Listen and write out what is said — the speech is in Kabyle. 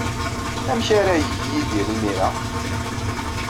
Amek ara yeg Yidir imir-a?